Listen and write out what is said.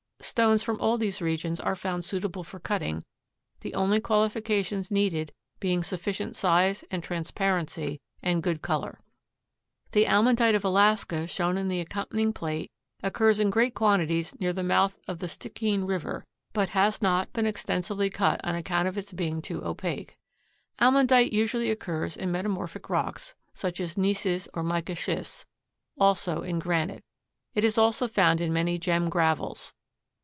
Stones from all these regions are found suitable for cutting, the only qualifications needed being sufficient size and transparency and good color. The almandite of Alaska shown in the accompanying plate occurs in great quantities near the mouth of the Stickeen river, but has not been extensively cut on account of its being too opaque. Almandite usually occurs in metamorphic rocks, such as gneisses or mica schists; also in granite. It is also found in many gem gravels.